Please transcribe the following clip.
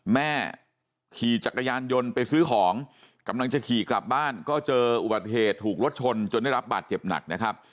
แม่ขี่จักรยานยนต์ไปซื้อของกำลังจะขี่กลับบ้านก็เจออุบัติเหตุถูกรถชนจนได้รับบาดเจ็บหนักนะครับ